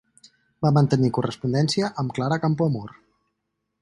Va mantenir correspondència amb Clara Campoamor.